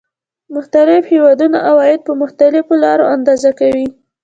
مختلف هېوادونه عواید په مختلفو لارو اندازه کوي